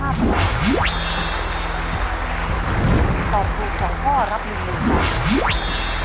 ตอบคลุก๒ข้อรับ๑ล้านบาท